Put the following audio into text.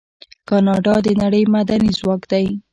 کاناډا د نړۍ معدني ځواک دی.